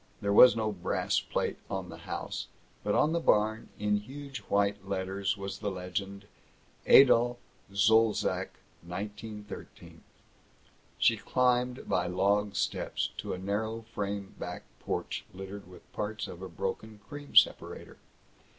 There was no brass plate on the house, but on the barn, in huge white letters, was the legend, "Adolph Zolzac, 1913." She climbed by log steps to a narrow frame back porch littered with parts of a broken cream separator.